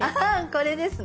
これですね。